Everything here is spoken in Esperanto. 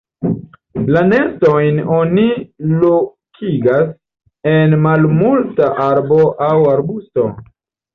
La nestojn oni lokigas en malalta arbo aŭ arbusto.